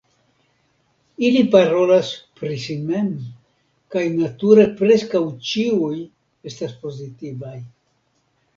Ili parolas pri si mem, kaj nature preskaŭ ĉiuj estas pozitivaj.